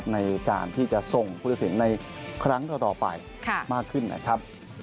ในการที่จะส่งผู้ตัดสินในครั้งต่อไปมากขึ้นนะครับ